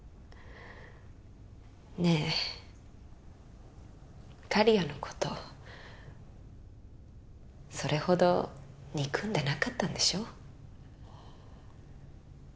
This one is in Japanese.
ねえ刈谷の事それほど憎んでなかったんでしょ？